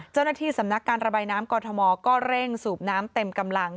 เจ้าหน้าที่สำนักการระบายน้ำกรทมก็เร่งสูบน้ำเต็มกำลัง